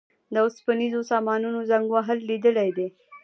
د اوسپنیزو سامانونو زنګ وهل لیدلي دي.